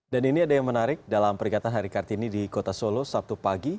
ini ada yang menarik dalam peringatan hari kartini di kota solo sabtu pagi